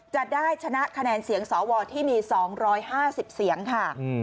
จะได้ชนะคะแนนเสียงสวที่มี๒๕๐เสียงค่ะ